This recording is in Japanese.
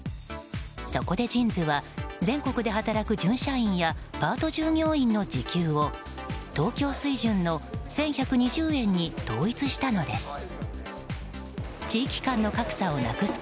そこでＪＩＮＳは全国で働く準社員やパート従業員の時給を東京水準の１１２０円に統一したのです。